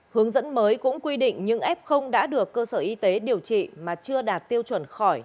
hướng dẫn mới cũng quy định nhưng f đã được cơ sở y tế điều trị mà chưa đạt tiêu chuẩn khỏi